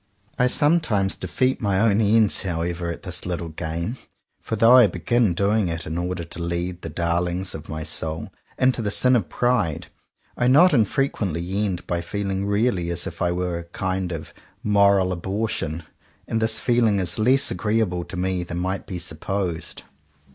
I sometimes defeat my own ends however at this little game; for though I begin doing it in order to lead the darlings of my soul into the sin of pride, I not infrequently end by feeling really as if I were a kind of moral abortion. And this feeling is less agreeable to me than might be supposed.